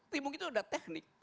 timbuk itu ada teknik